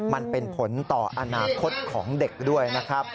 มันเป็นผลต่ออนาคตของเด็กด้วยนะครับ